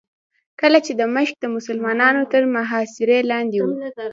کله چې دمشق د مسلمانانو تر محاصرې لاندې و.